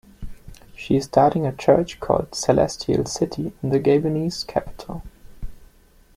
She is starting a church called Celestial City in the Gabonese capital.